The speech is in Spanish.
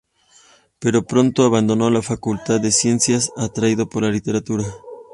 Pero pronto abandonó la Facultad de Ciencias atraído por la Literatura.